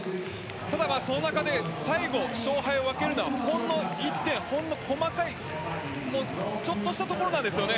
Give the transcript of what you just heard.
その中で最後、勝敗を分けるのはほんの１点、ほんの細かいちょっとしたところなんです。